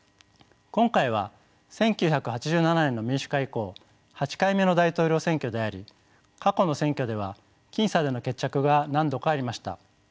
今回は１９８７年の民主化以降８回目の大統領選挙であり過去の選挙では僅差での決着が何度かありました。